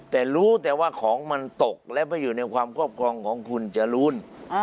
แต่รู้แต่ว่าของมันตกและไปอยู่ในความครอบครองของคุณจรูน